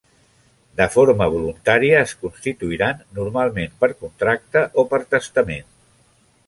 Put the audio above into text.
De forma voluntària es constituiran, normalment, per contracte o per testament.